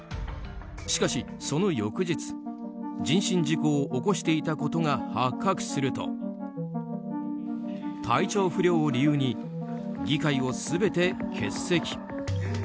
しかし、その翌日人身事故を起こしていたことが発覚すると体調不良を理由に議会を全て欠席。